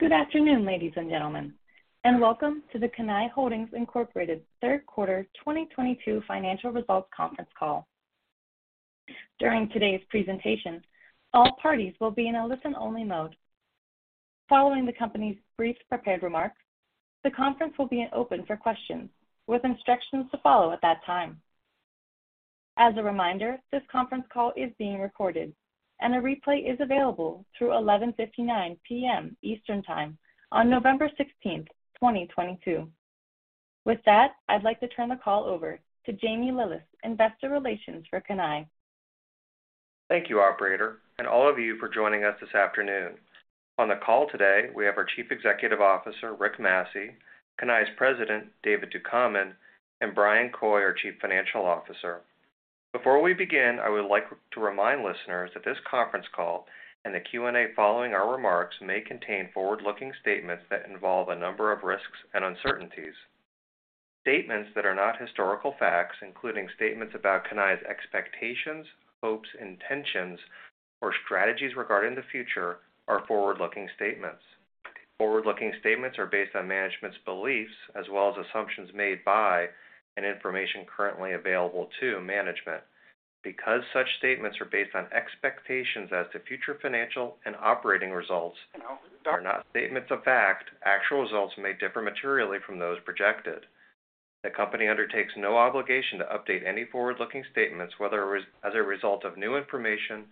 Good afternoon, ladies and gentlemen, and welcome to the Cannae Holdings, Inc. Third Quarter 2022 Financial Results Conference Call. During today's presentation, all parties will be in a listen-only mode. Following the company's brief prepared remarks, the conference will be open for questions with instructions to follow at that time. As a reminder, this conference call is being recorded, and a replay is available through 11:59 P.M. Eastern Time on November 16, 2022. With that, I'd like to turn the call over to Jamie Lillis, Investor Relations for Cannae. Thank you, operator, and all of you for joining us this afternoon. On the call today, we have our Chief Executive Officer, Rick Massey, Cannae's President, David Ducommun, and Bryan Coy, our Chief Financial Officer. Before we begin, I would like to remind listeners that this conference call and the Q&A following our remarks may contain forward-looking statements that involve a number of risks and uncertainties. Statements that are not historical facts, including statements about Cannae's expectations, hopes, intentions, or strategies regarding the future are forward-looking statements. Forward-looking statements are based on management's beliefs as well as assumptions made by and information currently available to management. Because such statements are based on expectations as to future financial and operating results, are not statements of fact, actual results may differ materially from those projected. The company undertakes no obligation to update any forward-looking statements, whether as a result of new information,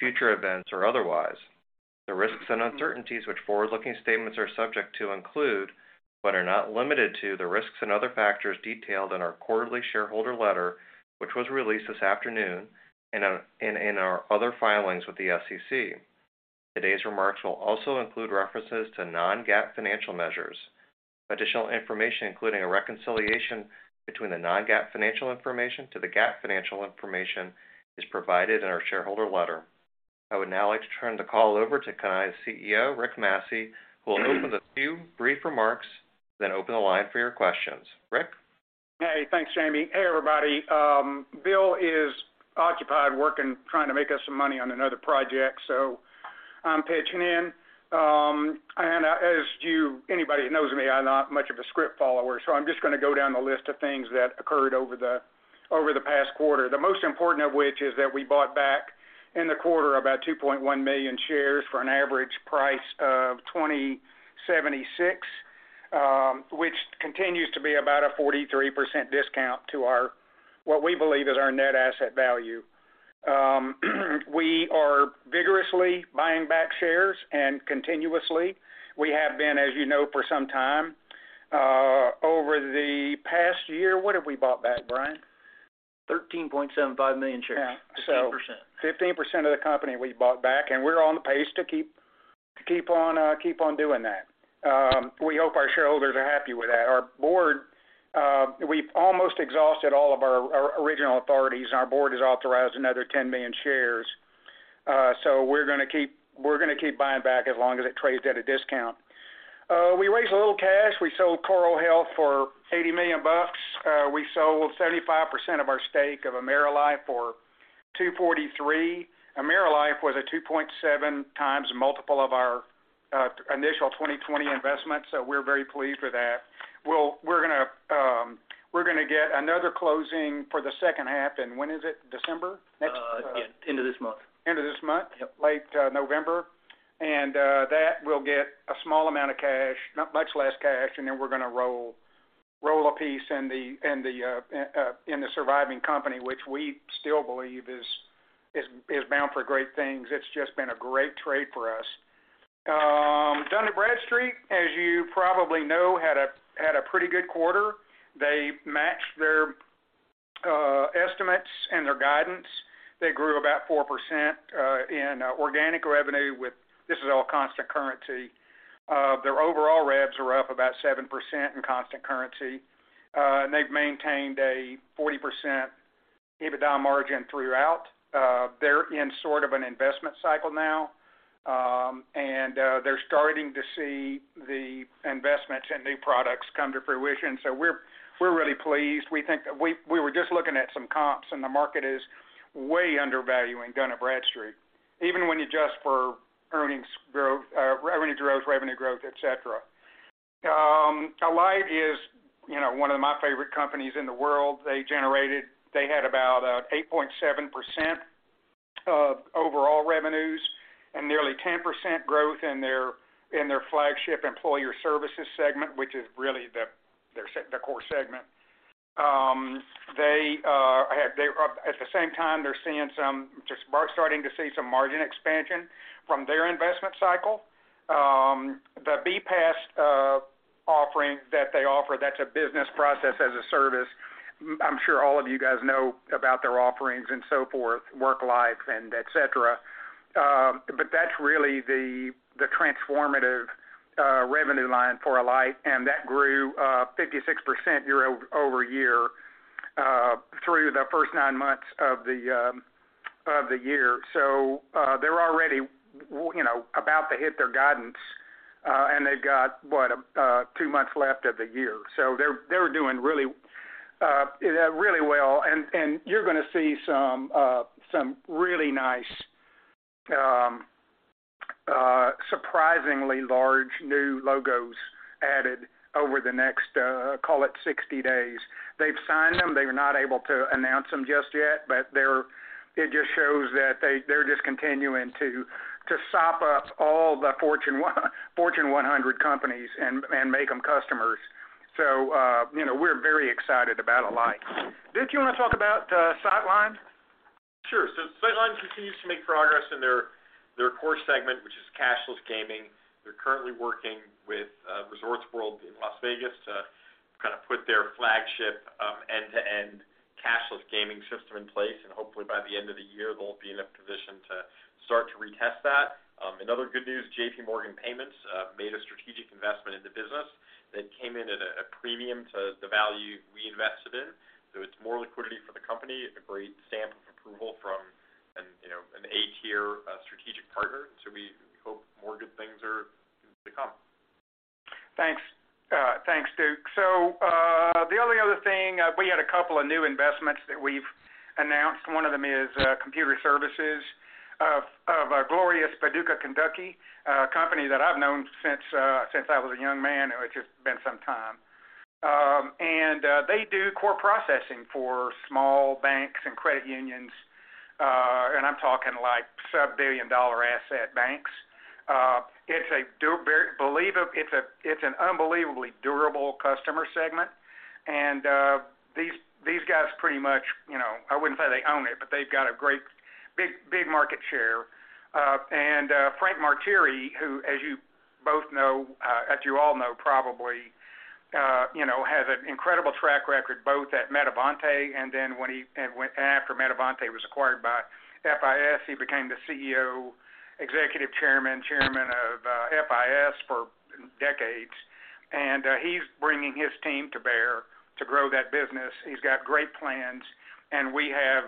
future events, or otherwise. The risks and uncertainties which forward-looking statements are subject to include, but are not limited to, the risks and other factors detailed in our quarterly shareholder letter, which was released this afternoon, and in our other filings with the SEC. Today's remarks will also include references to non-GAAP financial measures. Additional information, including a reconciliation between the non-GAAP financial information to the GAAP financial information, is provided in our shareholder letter. I would now like to turn the call over to Cannae's CEO, Rick Massey, who will open with a few brief remarks, then open the line for your questions. Rick? Hey, thanks, Jamie. Hey, everybody. Bill is occupied working, trying to make us some money on another project, so I'm pitching in. Anybody who knows me, I'm not much of a script follower, so I'm just gonna go down the list of things that occurred over the past quarter. The most important of which is that we bought back in the quarter about 2.1 million shares for an average price of $20.76, which continues to be about a 43% discount to what we believe is our net asset value. We are vigorously buying back shares and continuously. We have been, as you know, for some time. Over the past year, what have we bought back, Bryan? 13.75 million shares. 15%. 15% of the company we bought back, and we're on pace to keep on doing that. We hope our shareholders are happy with that. Our board, we've almost exhausted all of our original authorities, and our board has authorized another 10 million shares. So we're gonna keep buying back as long as it trades at a discount. We raised a little cash. We sold Coral Health for $80 million. We sold 35% of our stake of AmeriLife for $243. AmeriLife was a 2.7x multiple of our initial 2020 investment, so we're very pleased with that. We're gonna get another closing for the second half. When is it? December? Yeah. End of this month. End of this month? Yep. Late November. That will get a small amount of cash, not much less cash, and then we're gonna roll a piece in the surviving company, which we still believe is bound for great things. It's just been a great trade for us. Dun & Bradstreet, as you probably know, had a pretty good quarter. They matched their estimates and their guidance. They grew about 4% in organic revenue. This is all constant currency. Their overall revs are up about 7% in constant currency. They've maintained a 40% EBITDA margin throughout. They're in sort of an investment cycle now, and they're starting to see the investments in new products come to fruition. We're really pleased. We were just looking at some comps, and the market is way undervaluing Dun & Bradstreet, even when you adjust for earnings growth, revenue growth, et cetera. Alight is, you know, one of my favorite companies in the world. They had about 8.7% of overall revenues and nearly 10% growth in their flagship employer services segment, which is really the core segment. They're at the same time starting to see some margin expansion from their investment cycle. The BPaaS offering that they offer, that's a business process as a service. I'm sure all of you guys know about their offerings and so forth, WorkLife and et cetera. That's really the transformative revenue line for Alight, and that grew 56% year-over-year through the first nine months of the year. They're already you know, about to hit their guidance, and they've got what? Two months left of the year. They're doing really well, and you're gonna see some really nice surprisingly large new logos added over the next call it 60 days. They've signed them. They were not able to announce them just yet, but it just shows that they're just continuing to sop up all the Fortune 100 companies and make them customers. You know, we're very excited about Alight. Duc, you wanna talk about Sightline? Sure. Sightline continues to make progress in their core segment, which is cashless gaming. They're currently working with Resorts World in Las Vegas to kind of put their flagship end-to-end cashless gaming system in place. Hopefully, by the end of the year, they'll be in a position to start to retest that. Another good news, J.P. Morgan Payments made a strategic investment in the business that came in at a premium to the value we invested in. It's more liquidity for the company, a great stamp of approval from an you know an A-tier strategic partner. We hope more good things are to come. Thanks. Thanks, Duc. The only other thing, we had a couple of new investments that we've announced. One of them is Computer Services Inc. of glorious Paducah, Kentucky, a company that I've known since I was a young man. It's just been some time. They do core processing for small banks and credit unions, and I'm talking like sub-billion dollar asset banks. It's an unbelievably durable customer segment. These guys pretty much, you know, I wouldn't say they own it, but they've got a great big market share. Frank Martire, who, as you all know, probably, you know, has an incredible track record both at Metavante and then after Metavante was acquired by FIS, he became the CEO, Executive Chairman of FIS for decades. He's bringing his team to bear to grow that business. He's got great plans, and we have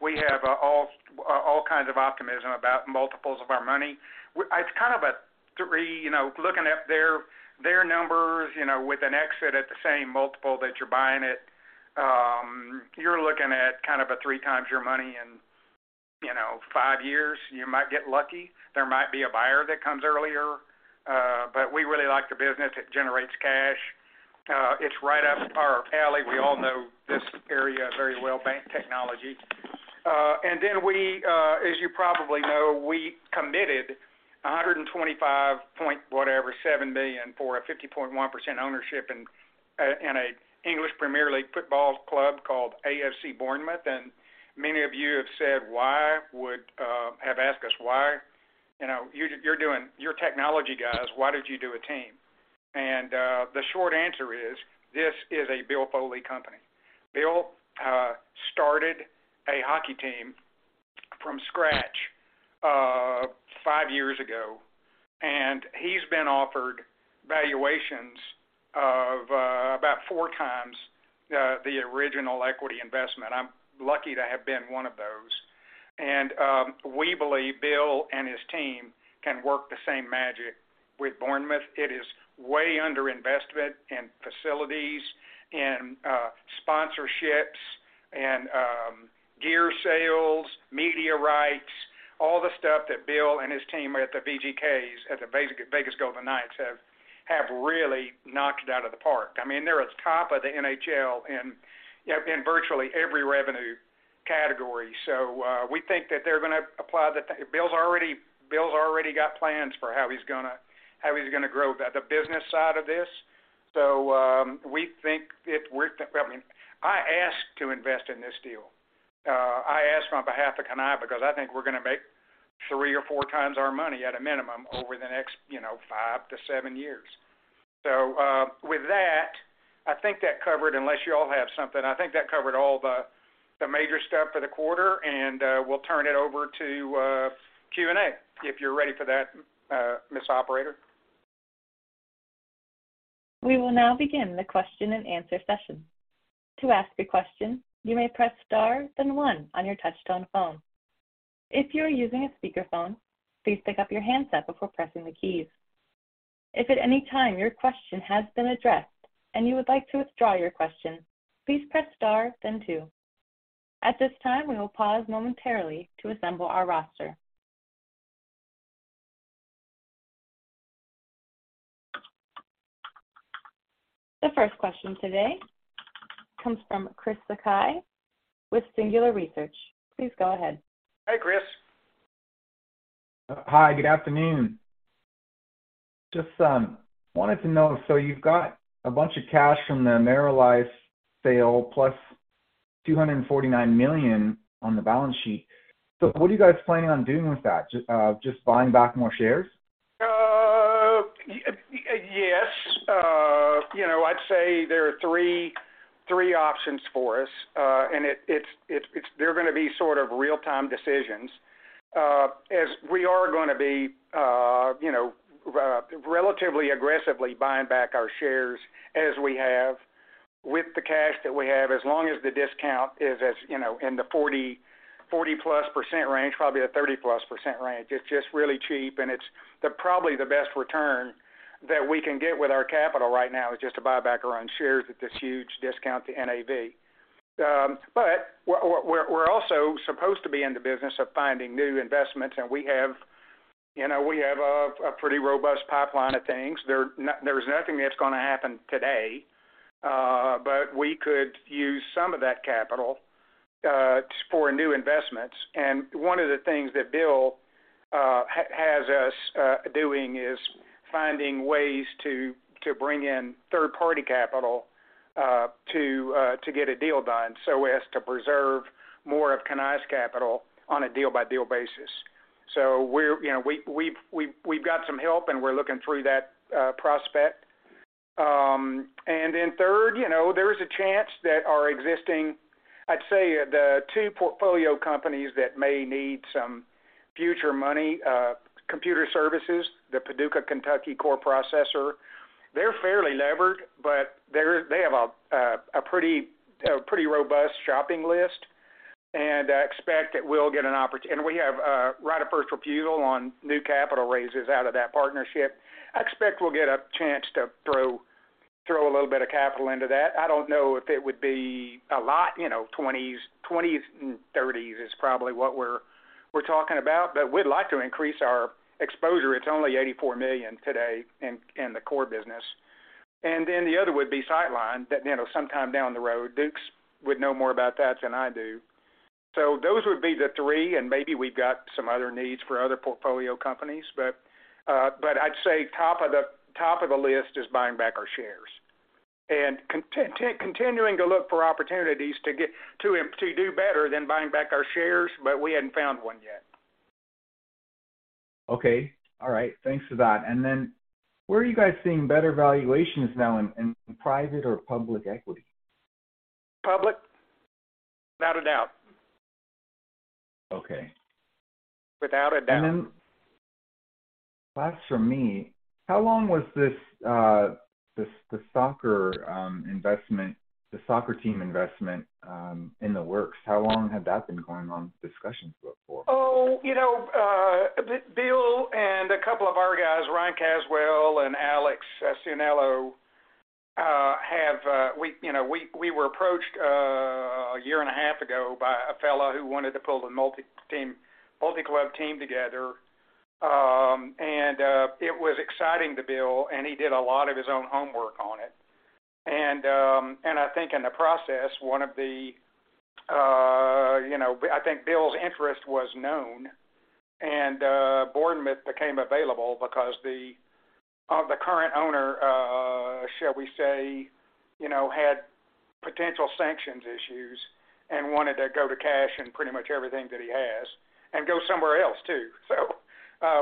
all kinds of optimism about multiples of our money. It's kind of a three, you know, looking at their numbers, you know, with an exit at the same multiple that you're buying it, you're looking at kind of a 3x your money in, you know, five years. You might get lucky. There might be a buyer that comes earlier, but we really like the business. It generates cash. It's right up our alley. We all know this area very well, bank technology. As you probably know, we committed $125.7 million for a 50.1% ownership in an English Premier League football club called AFC Bournemouth. Many of you have asked us why. You know, you're technology guys, why did you do a team? The short answer is this is a Bill Foley company. Bill started a hockey team from scratch, five years ago, and he's been offered valuations of, about four times, the original equity investment. I'm lucky to have been one of those. We believe Bill and his team can work the same magic with Bournemouth. It is way under investment in facilities, in, sponsorships, in, gear sales, media rights, all the stuff that Bill and his team at the VGK, at the Vegas Golden Knights have really knocked out of the park. I mean, they're at the top of the NHL in virtually every revenue category. We think that they're gonna apply. Bill's already got plans for how he's gonna grow the business side of this. I mean, I asked to invest in this deal. I asked on behalf of Cannae because I think we're gonna make 3x or 4x our money at a minimum over the next, you know, five-seven years. With that, I think that covered. Unless you all have something, I think that covered all the major stuff for the quarter, and we'll turn it over to Q&A, if you're ready for that, Miss Operator. We will now begin the question and answer session. To ask a question, you may press star, then one on your touchtone phone. If you are using a speakerphone, please pick up your handset before pressing the keys. If at any time your question has been addressed and you would like to withdraw your question, please press star then two. At this time, we will pause momentarily to assemble our roster. The first question today comes from Chris Sakai with Singular Research. Please go ahead. Hi, Chris. Hi, good afternoon. Just wanted to know, so you've got a bunch of cash from the AmeriLife sale, plus $249 million on the balance sheet. What are you guys planning on doing with that? Just buying back more shares? Yes. You know, I'd say there are three options for us. They're gonna be sort of real-time decisions as we are gonna be relatively aggressively buying back our shares as we have with the cash that we have, as long as the discount is in the 40%+ range, probably a 30%+ range. It's just really cheap, and it's probably the best return that we can get with our capital right now is just to buy back our own shares at this huge discount to NAV. We're also supposed to be in the business of finding new investments, and we have a pretty robust pipeline of things. There is nothing that's gonna happen today, but we could use some of that capital for new investments. One of the things that Bill has us doing is finding ways to bring in third-party capital to get a deal done so as to preserve more of Cannae's capital on a deal-by-deal basis. We're, you know, we've got some help, and we're looking through that prospect. Then third, you know, there is a chance that our existing, I'd say the two portfolio companies that may need some future money, Computer Services, the Paducah, Kentucky core processor, they're fairly levered, but they have a pretty robust shopping list. I expect that we'll get an opport... We have right of first refusal on new capital raises out of that partnership. I expect we'll get a chance to throw a little bit of capital into that. I don't know if it would be a lot, you know, $20s. $20s and $30s is probably what we're talking about. We'd like to increase our exposure. It's only $84 million today in the core business. The other would be Sightline that, you know, sometime down the road. Duc's would know more about that than I do. Those would be the three, and maybe we've got some other needs for other portfolio companies. I'd say top of the list is buying back our shares. Continuing to look for opportunities to do better than buying back our shares, but we hadn't found one yet. Okay. All right. Thanks for that. Where are you guys seeing better valuations now, in private or public equity? Public, without a doubt. Okay. Without a doubt. Last from me, how long was this the soccer team investment in the works? How long had that been going on discussions before? Oh, you know, Bill and a couple of our guys, Ryan Caswell and Alex Ciniello, you know, we were approached a year and a half ago by a fellow who wanted to pull the multi-club team together. It was exciting to Bill, and he did a lot of his own homework on it. I think in the process, one of the, you know, I think Bill's interest was known, and Bournemouth became available because the current owner, shall we say, you know, had potential sanctions issues and wanted to go to cash in pretty much everything that he has and go somewhere else too.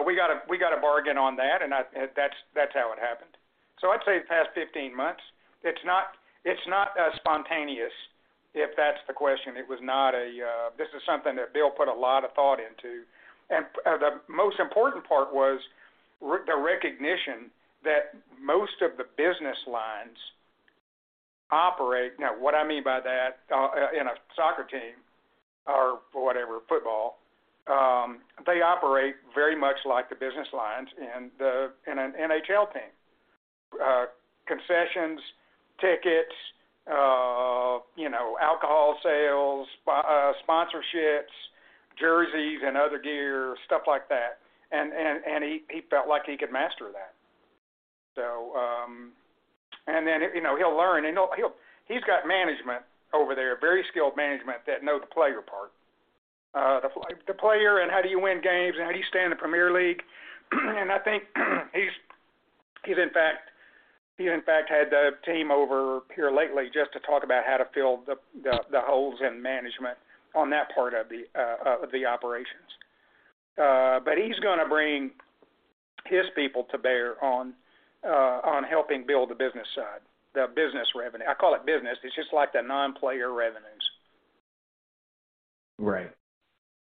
We got a bargain on that, and that's how it happened. I'd say the past 15 months. It's not spontaneous, if that's the question. It was not. This is something that Bill put a lot of thought into. The most important part was the recognition that most of the business lines operate. Now, what I mean by that, in a soccer team or whatever, football, they operate very much like the business lines in an NHL team. Concessions, tickets, you know, alcohol sales, sponsorships, jerseys and other gear, stuff like that. He felt like he could master that. Then, you know, he'll learn, and he'll. He's got management over there, very skilled management that know the player part. The player and how do you win games, and how do you stay in the Premier League. I think he's in fact had the team over here lately just to talk about how to fill the holes in management on that part of the operations. He's gonna bring his people to bear on helping build the business side, the business revenue. I call it business. It's just like the non-player revenues. Right.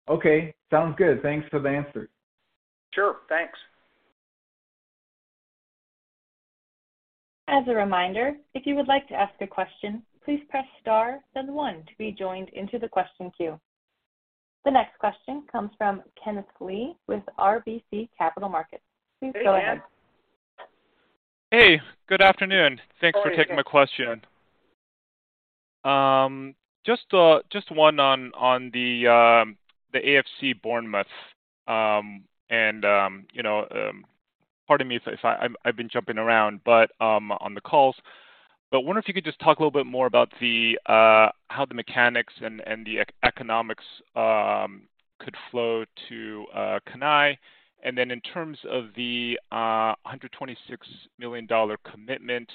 Okay. Sounds good. Thanks for the answers. Sure. Thanks. As a reminder, if you would like to ask a question, please press star then one to be joined into the question queue. The next question comes from Kenneth Lee with RBC Capital Markets. Please go ahead. Hey, Ken. Hey, good afternoon. How are you? Thanks for taking my question. Just one on the AFC Bournemouth. You know, pardon me if I'm jumping around, but on the calls. Wonder if you could just talk a little bit more about how the mechanics and the economics could flow to Cannae. In terms of the $126 million commitment,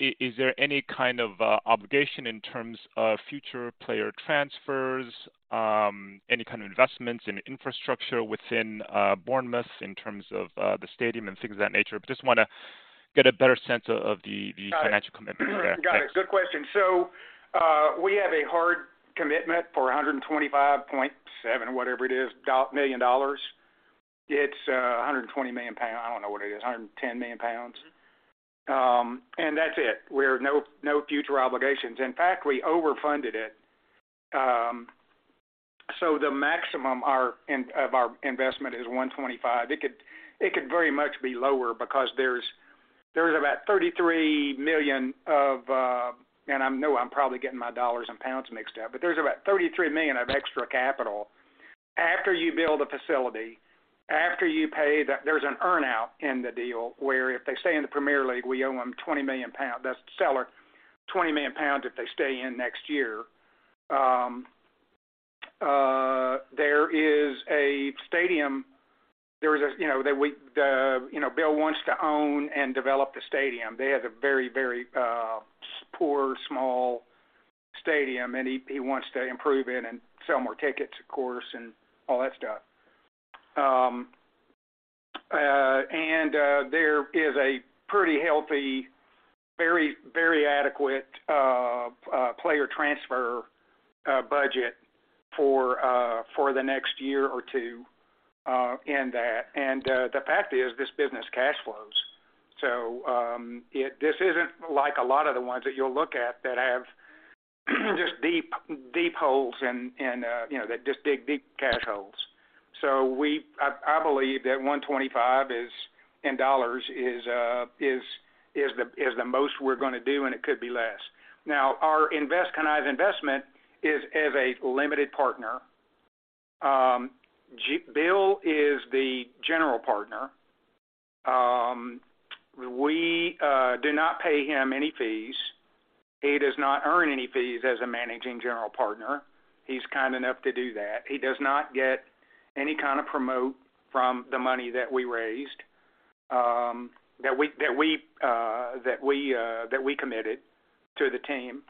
is there any kind of obligation in terms of future player transfers, any kind of investments in infrastructure within Bournemouth in terms of the stadium and things of that nature? I just wanna get a better sense of the the. Got it. Financial commitment there. Thanks. Got it. Good question. We have a hard commitment for $125.7 million. It's a 120 million pound. I don't know what it is, a 110 million pounds. And that's it. We have no future obligations. In fact, we overfunded it. The maximum of our investment is 125 million. It could very much be lower because there's about 33 million. I know I'm probably getting my dollars and pounds mixed up, but there's about 33 million of extra capital after you build a facility, after you pay. There's an earn-out in the deal where if they stay in the Premier League, we owe them 20 million pounds. That's the seller, 20 million pounds if they stay in next year. There is a stadium. There is a, you know, that the, you know, Bill wants to own and develop the stadium. They have a very poor, small stadium, and he wants to improve it and sell more tickets, of course, and all that stuff. There is a pretty healthy, very adequate player transfer budget for the next year or two, in that. The fact is, this business cash flows. This isn't like a lot of the ones that you'll look at that have just deep holes and, you know, that just dig deep cash holes. I believe that $125 million, in dollars, is the most we're gonna do, and it could be less. Now, our Cannae investment is as a limited partner. Bill is the general partner. We do not pay him any fees. He does not earn any fees as a managing general partner. He is kind enough to do that. He does not get any kind of promote from the money that we raised, that we committed to the team.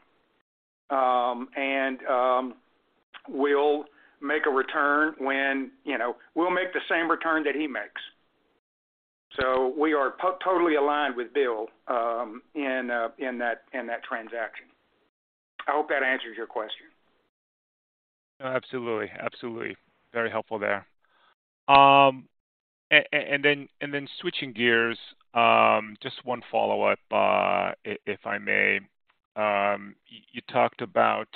We'll make a return when we'll make the same return that he makes. We are totally aligned with Bill, in that transaction. I hope that answers your question. Absolutely. Very helpful there. Switching gears, just one follow-up, if I may. You talked about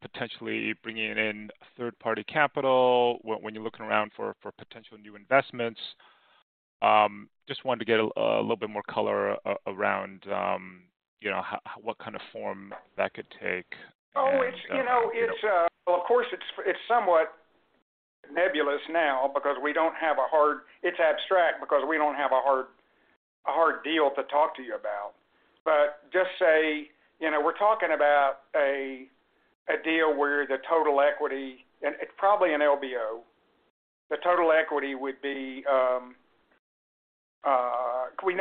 potentially bringing in third-party capital when you're looking around for potential new investments. Just wanted to get a little bit more color around, you know, what kind of form that could take and, you know- It's somewhat nebulous now because we don't have a hard deal to talk to you about. It's abstract because we don't have a hard deal to talk to you about. Just say, you know, we're talking about a deal where the total equity, and it's probably an LBO, the total equity would be.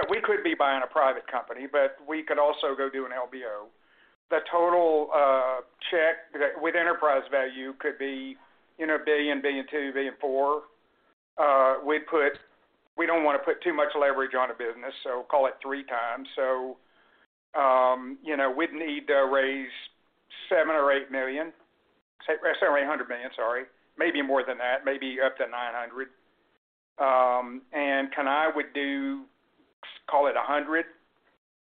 We could be buying a private company, but we could also go do an LBO. The total enterprise value could be 1 billion, 1.2 billion, 1.4 billion. We don't wanna put too much leverage on a business, so we'll call it 3x. You know, we'd need to raise 700,000 million or 800,000 million, sorry. Maybe more than that, maybe up to 900 million. Cannae would do, call it 100,000 million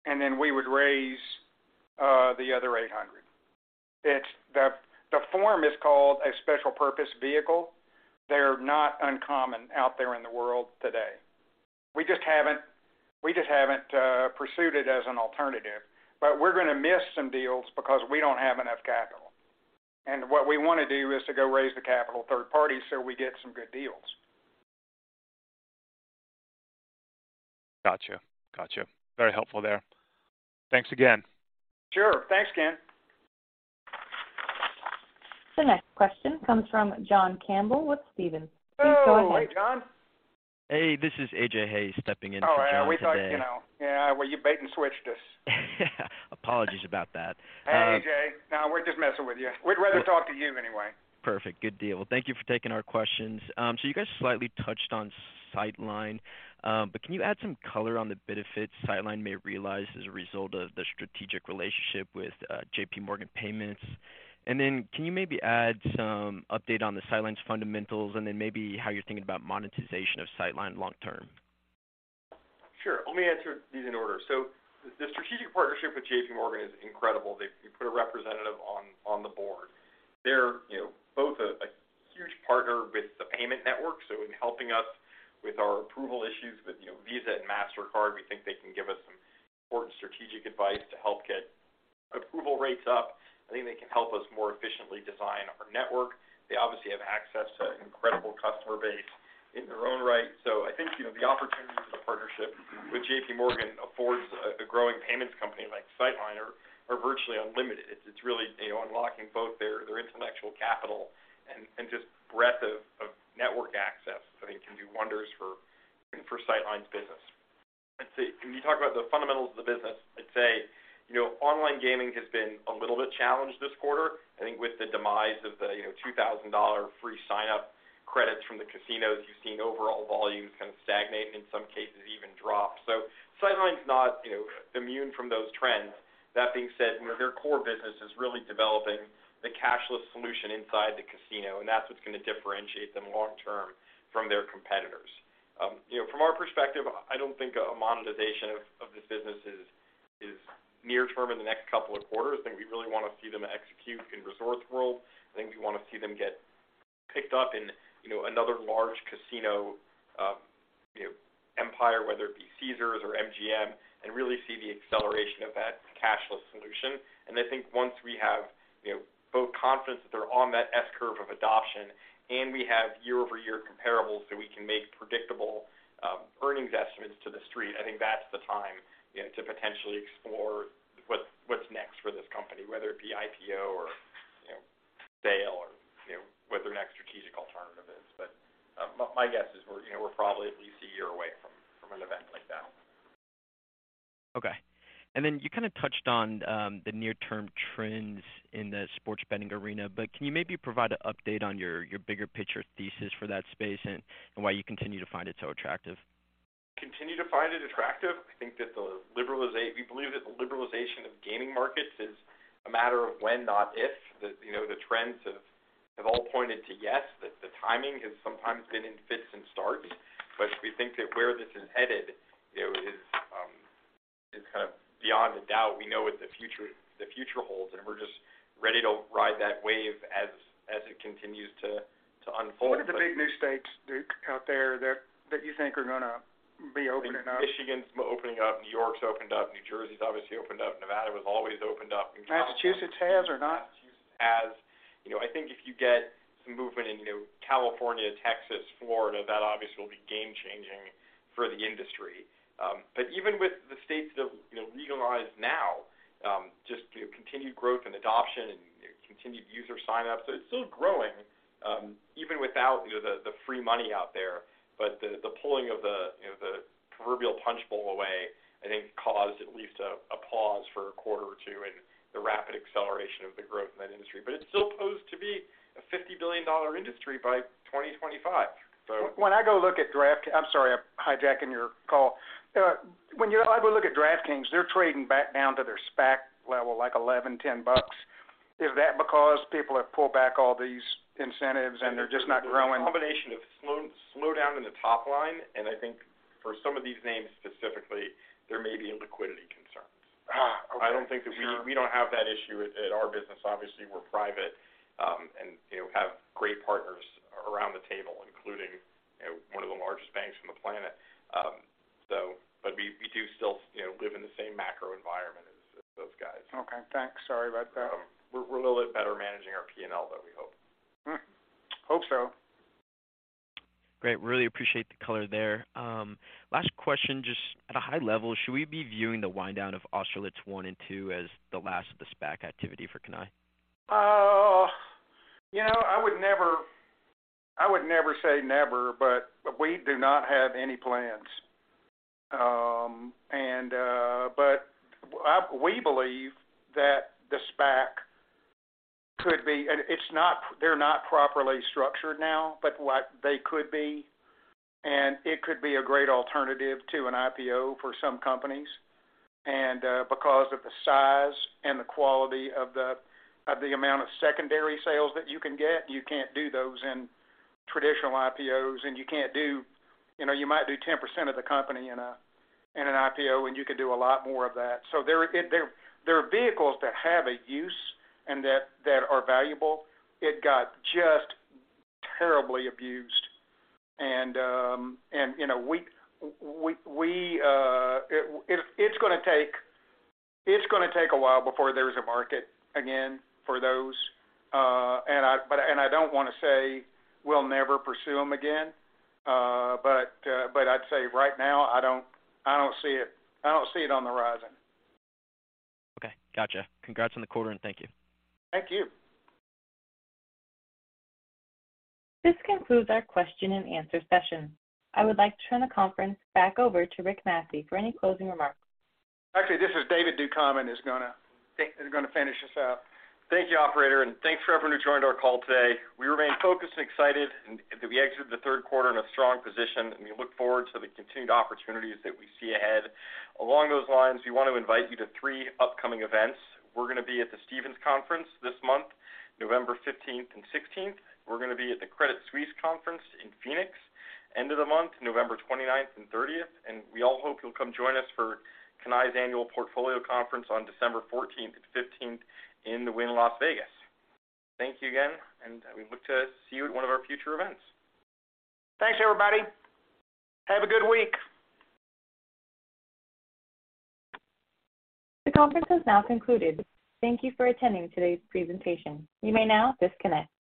and then we would raise the other 800,000 million. It's the form is called a special purpose vehicle. They're not uncommon out there in the world today. We just haven't pursued it as an alternative. We're gonna miss some deals because we don't have enough capital. What we wanna do is to go raise the capital third party so we get some good deals. Gotcha. Very helpful there. Thanks again. Sure. Thanks, Ken. The next question comes from John Campbell with Stephens. Please go ahead. Oh, hey, John. Hey, this is AJ Hayes stepping in for John today. All right. We thought, you know. Yeah, well, you bait and switched us. Apologies about that. Hey, AJ. No, we're just messing with you. We'd rather talk to you anyway. Perfect. Good deal. Well, thank you for taking our questions. You guys slightly touched on Sightline, but can you add some color on the benefits Sightline may realize as a result of the strategic relationship with J.P. Morgan Payments? Can you maybe add some update on the Sightline's fundamentals and then maybe how you're thinking about monetization of Sightline long term? Sure. Let me answer these in order. The strategic partnership with J.P. Morgan is incredible. They put a representative on the board. They're, you know, both a huge partner with the payment network, so in helping us with our approval issues with, you know, Visa and Mastercard, we think they can give us some important strategic advice to help get approval rates up. I think they can help us more efficiently design our network. They obviously have access to an incredible customer base in their own right. I think, you know, the opportunities of the partnership with J.P. Morgan affords a growing payments company like Sightline are virtually unlimited. It's really, you know, unlocking both their intellectual capital and just breadth of network access. I think it can do wonders for Sightline's business. Let's see. Can you talk about the fundamentals of the business? I'd say, you know, online gaming has been a little bit challenged this quarter. I think with the demise of the, you know, $2,000 free sign-up credits from the casinos, you've seen overall volumes kind of stagnate and in some cases even drop. So Sightline's not, you know, immune from those trends. That being said, you know, their core business is really developing the cashless solution inside the casino, and that's what's gonna differentiate them long term from their competitors. You know, from our perspective, I don't think a monetization of this business is near-term in the next couple of quarters. I think we really wanna see them execute in Resorts World. I think we wanna see them get picked up in, you know, another large casino, you know, empire, whether it be Caesars or MGM, and really see the acceleration of that cashless solution. I think once we have, you know, both confidence that they're on that S-curve of adoption, and we have year-over-year comparables that we can make predictable, earnings estimates to the street, I think that's the time, you know, to potentially explore what's next for this company, whether it be IPO or, you know, sale or, you know, what their next strategic alternative is. My guess is we're you know probably at least a year away from an event like that. Okay. You kinda touched on the near-term trends in the sports betting arena, but can you maybe provide an update on your bigger picture thesis for that space and why you continue to find it so attractive? Continue to find it attractive. I think that we believe that the liberalization of gaming markets is a matter of when, not if. You know, the trends have all pointed to yes, that the timing has sometimes been in fits and starts. We think that where this is headed, you know, is kind of beyond a doubt. We know what the future holds, and we're just ready to ride that wave as it continues to unfold. What are the big new states, Duc, out there that you think are gonna be opening up? I think Michigan's opening up. New York's opened up. New Jersey's obviously opened up. Nevada was always opened up. California. Massachusetts has or not? Massachusetts has. You know, I think if you get some movement in, you know, California, Texas, Florida, that obviously will be game-changing for the industry. Even with the states that, you know, legalize now, just, you know, continued growth and adoption and, you know, continued user signups. It's still growing, even without, you know, the free money out there. The pulling of the, you know, the proverbial punch bowl away, I think, caused at least a pause for a quarter or two in the rapid acceleration of the growth in that industry. It's still poised to be a $50 billion industry by 2025. I'm sorry, I'm hijacking your call. When I go look at DraftKings, they're trading back down to their SPAC level, like $11, $10. Is that because people have pulled back all these incentives and they're just not growing? A combination of slow down in the top line, and I think for some of these names specifically, there may be liquidity concerns. Okay. Sure. I don't think that we don't have that issue at our business. Obviously, we're private, and you know, have great partners around the table, including you know, one of the largest banks on the planet. We do still you know, live in the same macro environment as those guys. Okay. Thanks. Sorry about that. We're a little bit better managing our P&L, though we hope. Hope so. Great. Really appreciate the color there. Last question, just at a high level, should we be viewing the wind down of Austerlitz I and II as the last of the SPAC activity for Cannae? You know, I would never say never, but we do not have any plans. We believe that the SPAC could be. It's not, they're not properly structured now, but what they could be, and it could be a great alternative to an IPO for some companies. Because of the size and the quality of the amount of secondary sales that you can get, you can't do those in traditional IPOs, and you can't do. You know, you might do 10% of the company in an IPO, and you can do a lot more of that. There are vehicles that have a use and that are valuable. It got just terribly abused. You know, we. It's gonna take a while before there's a market again for those. I don't wanna say we'll never pursue them again. I'd say right now, I don't see it on the horizon. Okay. Gotcha. Congrats on the quarter, and thank you. Thank you. This concludes our question and answer session. I would like to turn the conference back over to Rick Massey for any closing remarks. Actually, this is David Ducommun is gonna finish us out. Thank you, operator, and thanks for everyone who joined our call today. We remain focused and excited and that we exited the third quarter in a strong position, and we look forward to the continued opportunities that we see ahead. Along those lines, we want to invite you to three upcoming events. We're gonna be at the Stephens conference this month, November 15th and 16th. We're gonna be at the Credit Suisse conference in Phoenix, end of the month, November 29th and 30th. We all hope you'll come join us for Cannae's Annual Portfolio conference on December 14th and 15th in the Wynn Las Vegas. Thank you again, and we look to see you at one of our future events. Thanks, everybody. Have a good week. The conference has now concluded. Thank you for attending today's presentation. You may now disconnect.